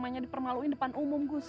jangan permaluin depan umum gus